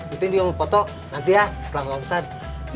ustadz dia mau foto nanti ya setelah pak ustadz